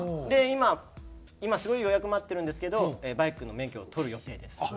今今すごい予約待ってるんですけどバイクの免許を取る予定です。